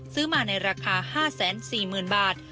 ซื้อมาในราคา๕๔๐๐๐บาท